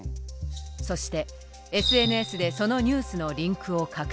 そしてＳＮＳでそのニュースのリンクを拡散。